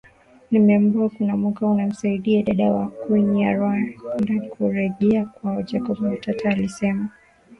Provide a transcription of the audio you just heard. Nimeambiwa kuna mwaka ulimsaidia dada wa Kinyarwanda kurejea kwao Jacob Matata alisema